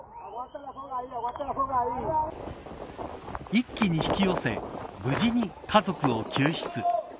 一気に引き寄せ無事に家族を救出。